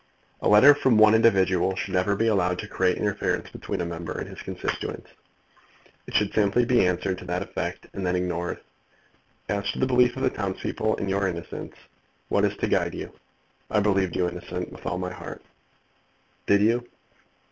"A letter from one individual should never be allowed to create interference between a member and his constituents. It should simply be answered to that effect, and then ignored. As to the belief of the townspeople in your innocence, what is to guide you? I believed you innocent with all my heart." "Did you?"